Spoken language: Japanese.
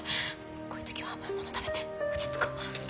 こういう時は甘いもの食べて落ち着こう。